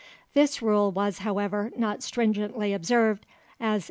This rule was, however, not stringently observed, as M.